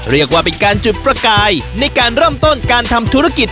เรียกว่าเป็นการจุดประกายในการเริ่มต้นการทำธุรกิจ